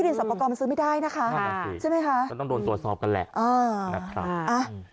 มันซื้อไม่ได้นะคะใช่มั้ยคะต้องโดนตรวจสอบกันแหละนะครับ